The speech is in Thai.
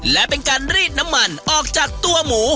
และเป็นการรีดน้ำมันออกจากตัวหมู